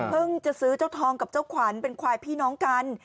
จะซื้อเจ้าทองกับเจ้าขวัญเป็นควายพี่น้องกัน